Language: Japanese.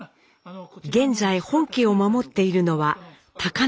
現在本家を守っているのは貴教の伯父。